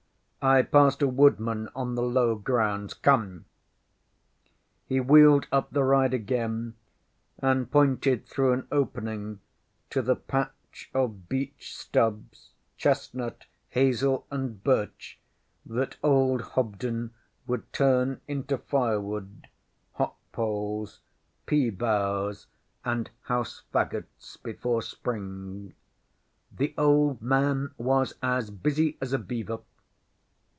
I passed a woodman on the low grounds. Come! ŌĆÖ He wheeled up the ride again, and pointed through an opening to the patch of beech stubs, chestnut, hazel, and birch that old Hobden would turn into firewood, hop poles, pea boughs, and house faggots before spring. The old man was as busy as a beaver.